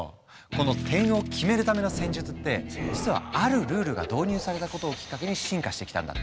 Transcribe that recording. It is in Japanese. この点を決めるための戦術って実はあるルールが導入されたことをきっかけに進化してきたんだって。